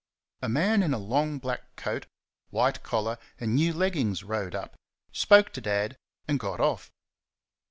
A man in a long, black coat, white collar, and new leggings rode up, spoke to Dad, and got off.